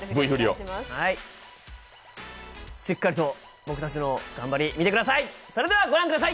しっかりと僕たちの頑張り見てください。